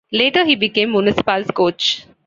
Later, he became Municipal's coach.